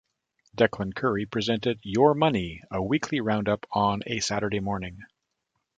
Declan Curry presented "Your Money", a weekly round-up on a Saturday morning.